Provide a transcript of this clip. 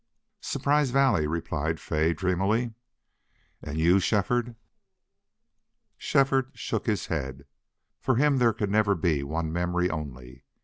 "Surprise Valley," replied Fay, dreamily. "And you Shefford?" Shefford shook his head. For him there could never be one memory only.